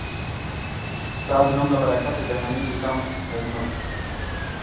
ستا د نوم له برکته جهاني لیکم نظمونه